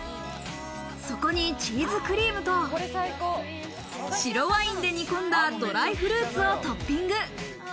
そこにチーズクリームと白ワインで煮込んだドライフルーツをトッピング。